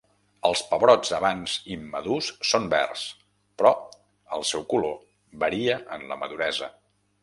Els pebrots havans immadurs són verds, però el seu color varia en la maduresa.